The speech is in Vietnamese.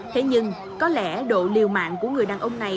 thế nhưng có lẽ độ liều mạng của người đàn ông này